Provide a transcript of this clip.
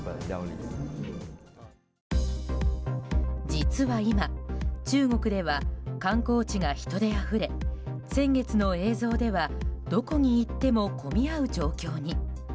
実は今、中国では観光地が人であふれ先月の映像ではどこに行っても混み合う状況に。